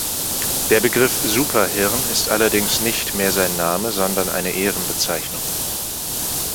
Der Begriff „Superhirn“ ist allerdings nicht mehr sein Name, sondern eine Ehrenbezeichnung.